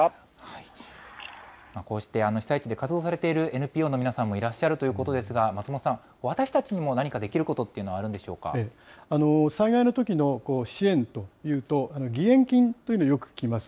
こうして被災地で活動されているＮＰＯの皆さんもいらっしゃるということですが、松本さん、私たちにも何かできることってあ災害のときの支援というと、義援金というのをよく聞きます。